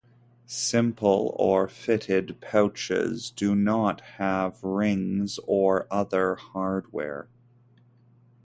Simple, or fitted pouches do not have rings or other hardware.